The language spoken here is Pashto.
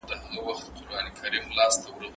د مترقي حکومت په سقوط کي ډېر زیان رسوونکی